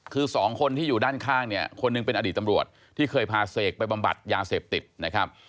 คือสองคนที่อยู่ด้านข้างเนี่ยคนหนึ่งเป็นอดีตตำรวจที่เคยพาเสกไปบำบัดยาเสพติดนะครับ